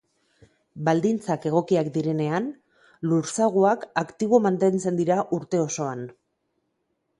Baldintzak egokiak direnean, lursaguak aktibo mantentzen dira urte osoan.